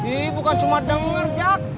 iya bukan cuma denger jack